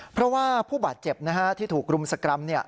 เพราะว่าผู้บาดเจ็บนะฮะที่ถูกรุมสกรรมเนี้ย